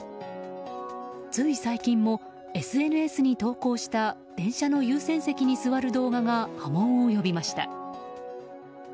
つい最近も、ＳＮＳに投稿した電車の優先席に座る動画が波紋を呼びました。